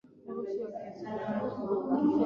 hurudi duniani kama mvua ya asidi